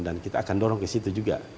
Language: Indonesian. dan kita akan dorong ke situ juga